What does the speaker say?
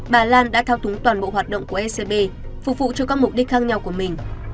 bà lan đã thao túng toàn bộ hoạt động của ecb phục vụ cho các mục đích khác nhau của mình